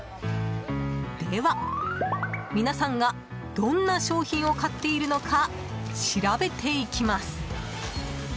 では、皆さんがどんな商品を買っているのか調べていきます。